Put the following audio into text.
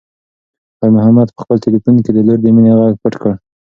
خیر محمد په خپل تلیفون کې د لور د مینې غږ پټ کړ.